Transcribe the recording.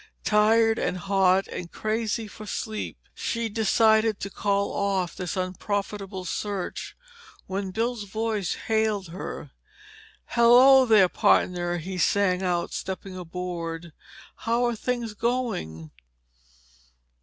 Tired and hot and crazy for sleep, she decided to call off this unprofitable search, when Bill's voice hailed her. "Hello, there, pardner," he sang out, stepping aboard. "How are things going?"